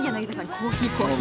コーヒーコーヒー。